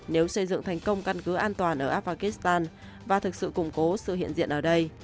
nếu xây dựng thành công căn cứ an toàn ở afghanistan và thực sự củng cố sự hiện diện ở đây